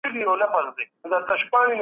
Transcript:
سوسياليستي نظام فردي ملکيت نه مني.